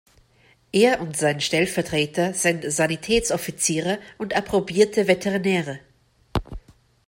Er und sein Stellvertreter sind Sanitätsoffiziere und approbierte Veterinäre.